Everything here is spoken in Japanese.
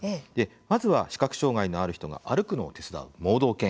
まずは、視覚障害のある人が歩くのを手伝う盲導犬。